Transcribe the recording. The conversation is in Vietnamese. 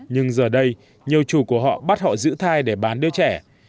nhưng giờ đây nhiều chủ của họ bắt họ giữ thai để bán đứa trẻ